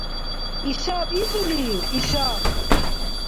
Ишаб изулив? Ишаб?